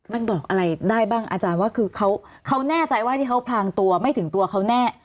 มันบอกอะไรได้บ้างอาจารย์ว่าคือเขาแน่ใจว่าที่เขาพลางตัวไม่ถึงตัวเขาแน่